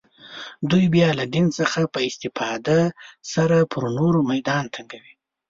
دوی بیا له دین څخه په استفاده سره پر نورو میدان تنګوي